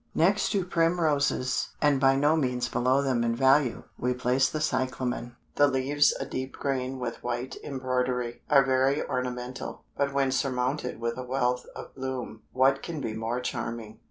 Next to Primroses, and by no means below them in value, we place the Cyclamen. The leaves, a deep green with white embroidery, are very ornamental, but when surmounted with a wealth of bloom, what can be more charming?